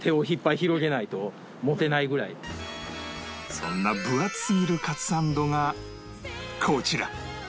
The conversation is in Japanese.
そんな分厚すぎるかつサンドがこちら